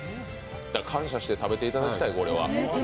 感謝して食べていただきたい。